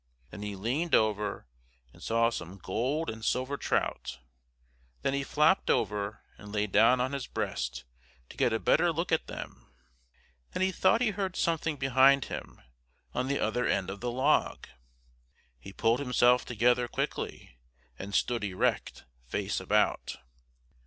Then he leaned over and saw some gold and silver trout, then he flopped over and lay down on his breast to get a better look at them. Then he thought he heard something behind him on the other end of the log! He pulled himself together quickly and stood erect, face about.